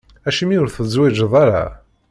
Acimi ur tezwiǧeḍ ara?